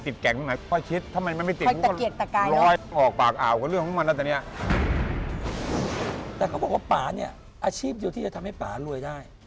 แต่เขาบอกว่าป่าเนี่ยอาชีพเดียวที่จะทำให้ป่ารวยได้